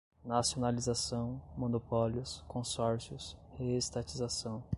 Nacionalização, monopólios, consórcios, reestatização